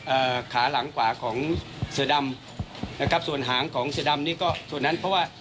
เอ่อขาหลังกว่าของเสดั่มนะครับส่วนหางของเสดั่มนี่ก็ส่วนนั้นเพราะว่า